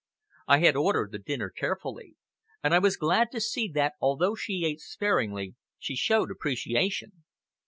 I had ordered the dinner carefully; and I was glad to see that, although she ate sparingly, she showed appreciation.